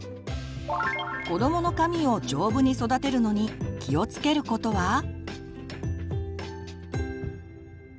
子どもの髪を丈夫に育てるのに気をつけることは？